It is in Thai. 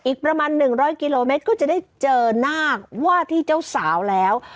อีกประมาณ๑๐๐กิโลเมตรก็จะได้เจอนาคว่าที่เจ้าสาวแล้ว